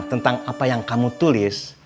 tentang apa yang kamu tulis